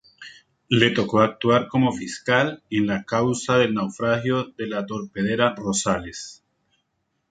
Le tocó actuar como fiscal en la causa del naufragio de la torpedera Rosales.